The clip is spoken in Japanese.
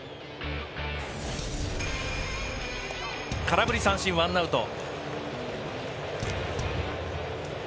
空振り三振１アウト。